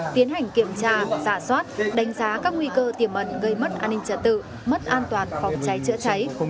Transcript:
tiến hành kiểm tra giả soát đánh giá các nguy cơ tiềm ẩn gây mất an ninh trật tự mất an toàn phòng cháy chữa cháy